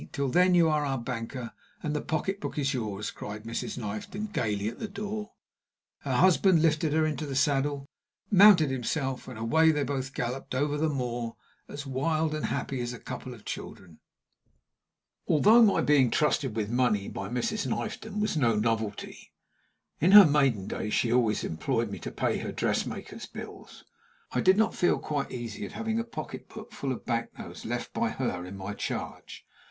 Till then, you are our banker, and the pocketbook is yours," cried Mrs. Knifton, gayly, at the door. Her husband lifted her into the saddle, mounted himself, and away they both galloped over the moor as wild and happy as a couple of children. Although my being trusted with money by Mrs. Knifton was no novelty (in her maiden days she always employed me to pay her dress maker's bills), I did not feel quite easy at having a pocketbook full of bank notes left by her in my charge.